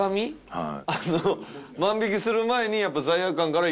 はい。